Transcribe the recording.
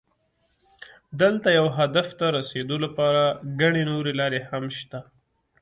دلته یو هدف ته رسېدو لپاره ګڼې نورې لارې هم شته.